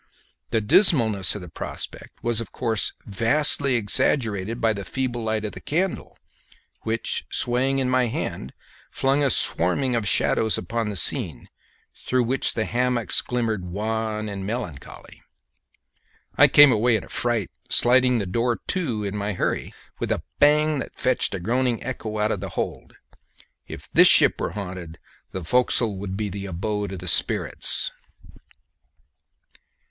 The dismalness of the prospect was of course vastly exaggerated by the feeble light of the candle, which, swaying in my hand, flung a swarming of shadows upon the scene, through which the hammocks glimmered wan and melancholy. I came away in a fright, sliding the door to in my hurry with a bang that fetched a groaning echo out of the hold. If this ship were haunted, the forecastle would be the abode of the spirits!